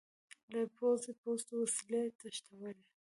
له پوځي پوستو وسلې تښتولې.